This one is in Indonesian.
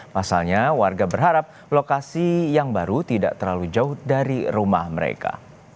pasalnya warga berharap lokasi yang baru tidak terlalu jauh dari rumah mereka